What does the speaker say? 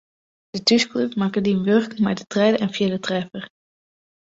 De thúsklup makke dien wurk mei de tredde en fjirde treffer.